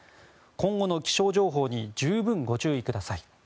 今後の気象情報に十分ご注意ください。